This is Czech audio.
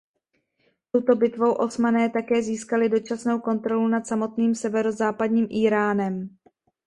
Touto bitvou Osmané také získali dočasnou kontrolu nad samotným severozápadním Íránem.